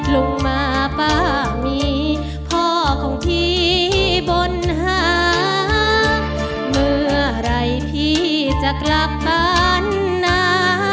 ลงมาป้ามีพ่อของพี่บนหาเมื่อไหร่พี่จะกลับบ้านนะ